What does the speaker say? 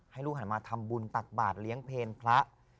ให้ลูกหันมาทำบุญตักบาทเลี้ยงเพลพระ